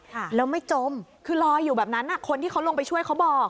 ค่ะแล้วไม่จมคือลอยอยู่แบบนั้นอ่ะคนที่เขาลงไปช่วยเขาบอก